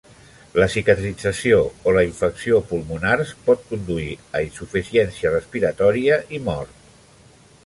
La cicatrització o la infecció pulmonars pot conduir a insuficiència respiratòria i mort.